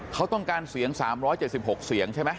เขาต้องการเสียง๓๗๖เสียงใช่ไหม